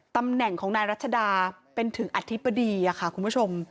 ตำแหน่งของนายรัชดาเป็นถึงอธิบดีค่ะคุณผู้ชม